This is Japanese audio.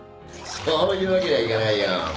そういうわけにはいかないよ。